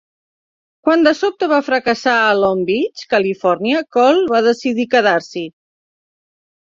Quan de sobte va fracassar a Long Beach, Califòrnia, Cole va decidir quedar-s'hi.